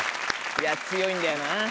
いや強いんだよな。